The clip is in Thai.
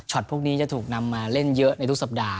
พวกนี้จะถูกนำมาเล่นเยอะในทุกสัปดาห